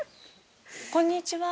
こんにちは。